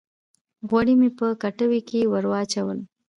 غوړي مې په کټوۍ کښې ور واچول